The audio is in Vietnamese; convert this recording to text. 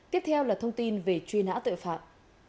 tiếp theo là thông tin về truy nã tội phạm